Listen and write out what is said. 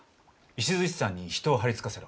石山に人を張り付かせろ。